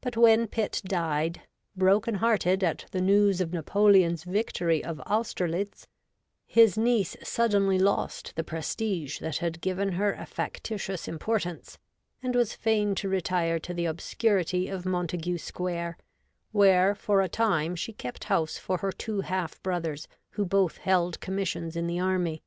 But when Pitt died, broken hearted at the news of Napoleon's victory of Austerlitz, his niece suddenly lost the prestige that had given her a factitious im portance, and was fain to retire to the obscurity of Montagu Square, where for a time she kept house for her two half brothers who both held commissions in the army.